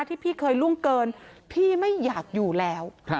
ที่พี่เคยล่วงเกินพี่ไม่อยากอยู่แล้ว